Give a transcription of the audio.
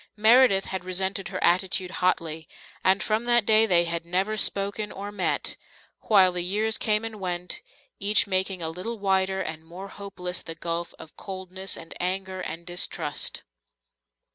Meredith had resented her attitude hotly, and from that day they had never spoken or met, while the years came and went, each making a little wider and more hopeless the gulf of coldness and anger and distrust.